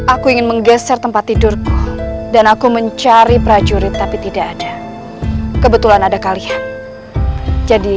aku ingin menggeser tempat tidurku dan aku mencari prajurit tapi tidak ada kebetulan ada kalian jadi